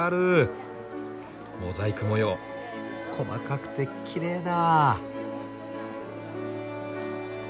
モザイク模様細かくてきれいだ。